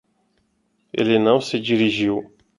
Ele não se dirigiu.